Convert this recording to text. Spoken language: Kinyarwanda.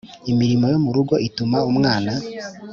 Imirimo yo mu rugo ituma umwana